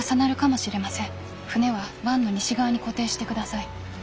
船は湾の西側に固定してください」。